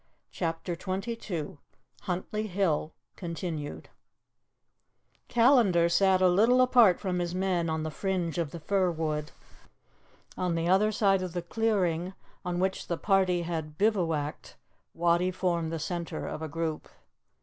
CHAPTER XXII HUNTLY HILL (continued) CALLANDAR sat a little apart from his men on the fringe of the fir wood; on the other side of the clearing on which the party had bivouacked Wattie formed the centre of a group.